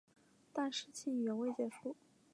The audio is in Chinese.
但事情远未结束。